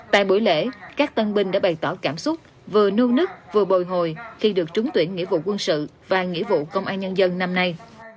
tại buổi lễ các tân binh đã bày tỏ cảm xúc vừa nung nức vừa bồi hồi khi được trúng tuyển nghĩa vụ quân sự và nghĩa vụ công an nhân dân năm nay